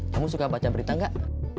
kamu suka baca berita gak